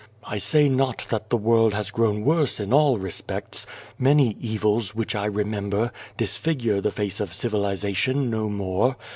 " I say not that the world has grown worse in all respects. Many evils, which I remember, disfigure the face of civilisation no more.